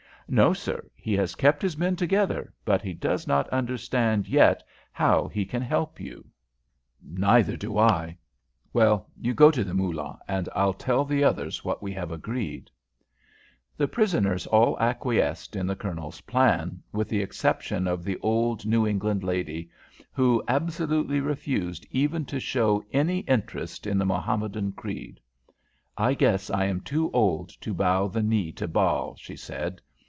"No, sir. He has kept his men together, but he does not understand yet how he can help you." "Neither do I. Well, you go to the Moolah, and I'll tell the others what we have agreed." The prisoners all acquiesced in the Colonel's plan, with the exception of the old New England lady, who absolutely refused even to show any interest in the Mohammedan creed. "I guess I am too old to bow the knee to Baal," she said.